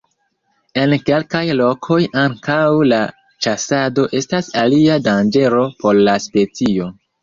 En kelkaj lokoj ankaŭ la ĉasado estas alia danĝero por la specio.